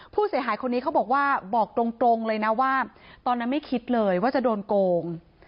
ผู้เสียหายคนนี้เขาบอกว่าบอกตรงเลยนะว่าตอนนั้นไม่คิดเลยว่าจะโดนโกง